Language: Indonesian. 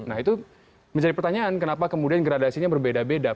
nah itu menjadi pertanyaan kenapa kemudian gradasinya berbeda beda